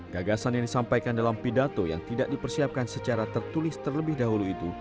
gagasan yang disampaikan dalam pidato yang tidak dipersiapkan secara tertulis terlebih dahulu itu